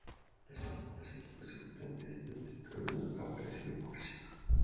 Los equipos debutantes en este torneo aparecen en cursiva.